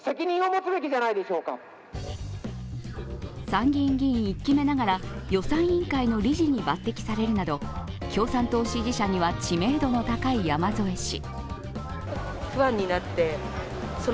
参議院議員１期目ながら予算委員会の理事に抜てきされるなど共産党支持者には知名度の高い山添氏。